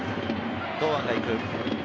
堂安が行く。